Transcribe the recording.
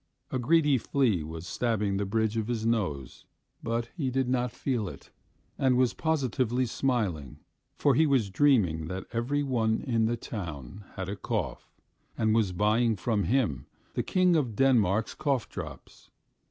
A greedy flea was stabbing the bridge of his nose, but he did not feel it, and was positively smiling, for he was dreaming that every one in the town had a cough, and was buying from him the King of Denmark's cough drops.